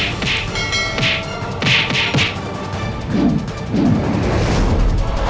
akihan santan membéter allen knight